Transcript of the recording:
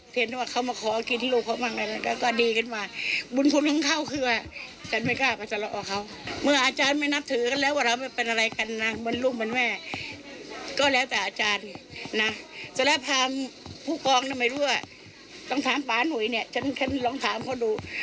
ต้องถามผู้กองนะไม่รู้อ่ะต้องถามป่านุยนี่ฉันแช่งลองถามเขาดู